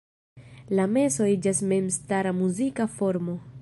La meso iĝas memstara muzika formo.